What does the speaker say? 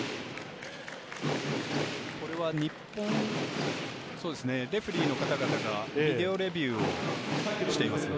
これはレフェリーの方々がビデオレビューをしていますね。